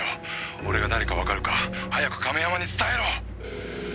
「俺が誰かわかるか早く亀山に伝えろ！」